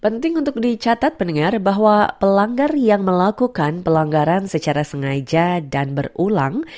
penting untuk dicatat pendengar bahwa pelanggar yang melakukan pelanggaran secara sengaja dan berulang